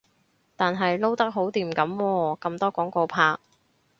但係撈得好掂噉喎，咁多廣告拍